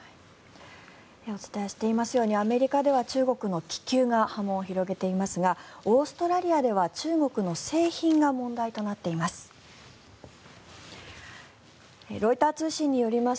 お伝えしていますようにアメリカでは中国の気球が波紋を広げていますがオーストラリアでは中国の製品が問題となっています。